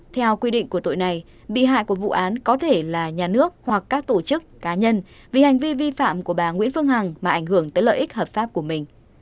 theo quy định của tội này bị hại của vụ án có thể là nhà nước hoặc các tổ chức cá nhân vì hành vi vi phạm của bà nguyễn phương hằng mà ảnh hưởng tới lợi ích hợp pháp của mình